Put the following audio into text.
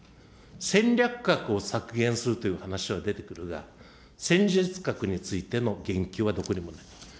戦略核を削減するという話は出てくるが、戦術核についての言及はどこにもない。